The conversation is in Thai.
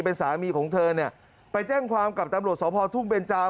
เป็นสามีของเธอเนี่ยไปแจ้งความกับตำรวจสพทุ่งเบนจาม